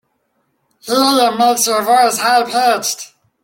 Helium makes your voice high pitched.